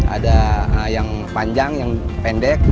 ada yang panjang yang pendek